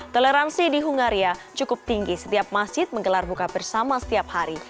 toleransi di hungaria cukup tinggi setiap masjid menggelar buka bersama setiap hari